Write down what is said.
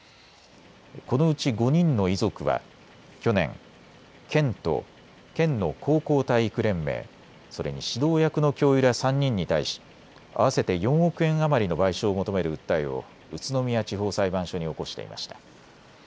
このうち５人の遺族は去年、県と県の高校体育連盟、それに指導役の教諭ら３人に対し合わせて４億円余りの賠償を求める訴えを宇都宮地方裁判所に起こしていました。